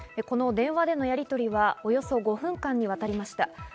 この電話でのやりとりはおよそ５分間にわたりました。